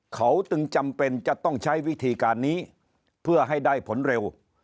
เขาจึงจำเป็นจะต้องใช้วิธีการนี้เพื่อให้ได้ผลเร็ว